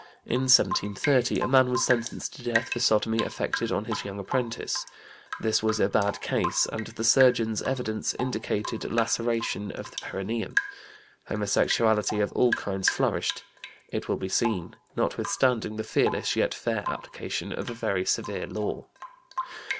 In 1730 a man was sentenced to death for sodomy effected on his young apprentice; this was a bad case and the surgeon's evidence indicated laceration of the perineum. Homosexuality of all kinds flourished, it will be seen, notwithstanding the fearless yet fair application of a very severe law.